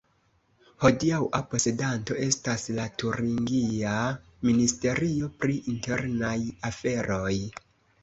Hodiaŭa posedanto estas la turingia ministerio pri internaj aferoj.